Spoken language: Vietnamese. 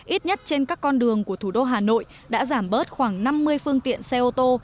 ít nhất trên các con đường của thủ đô hà nội đã giảm bớt khoảng năm mươi phương tiện xe ô tô